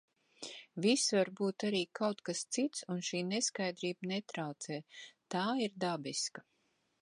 Viss var būt arī kaut kas cits un šī neskaidrība netraucē, tā ir dabiska...